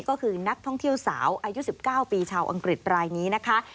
ก็คือนักท่องเที่ยวสาวอายุ๑๙ปีชาวอังกฤษรายนี้นะคะ